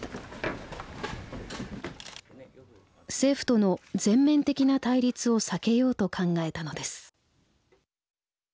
政府との全面的な対立を避けようと考えたのです。